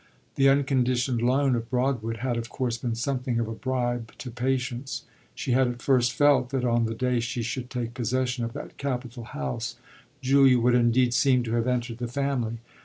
The unconditioned loan of Broadwood had of course been something of a bribe to patience: she had at first felt that on the day she should take possession of that capital house Julia would indeed seem to have entered the family.